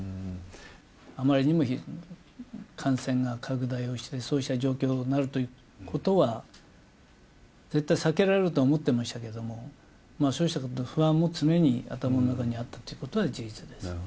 あまりにも感染が拡大をして、そうした状況になるということは、絶対避けられるとは思ってましたけれども、そうしたことも、不安も常に頭の中にあったということは事実です。